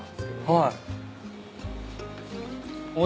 はい。